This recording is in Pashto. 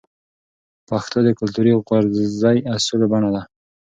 پښتو د کلتوري غورزی اصولو بڼه ده.